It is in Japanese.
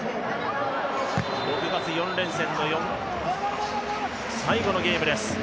６月４連戦の最後のゲームです。